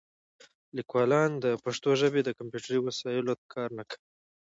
لیکوالان د پښتو ژبې د کمپیوټري وسایلو ته کار نه کوي.